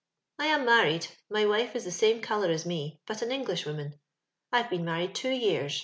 I am married : my wife is the same colour as me, but an Englishwoman. I've been married two years.